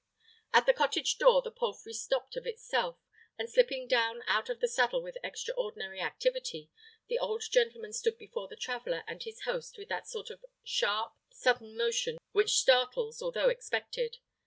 At the cottage door the palfrey stopped of itself, and slipping down out of the saddle with extraordinary activity, the old gentleman stood before the traveller and his host with that sort of sharp, sudden motion which startles although expected.